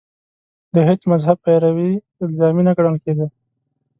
د هېڅ مذهب پیروي الزامي نه ګڼل کېده